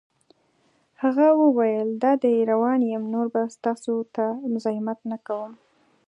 هغه وویل: دادی روان یم، نور به ستاسو ته مزاحمت نه کوم.